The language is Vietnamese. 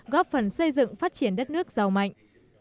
góp phần xây dựng phát triển đất nước giàu mạnh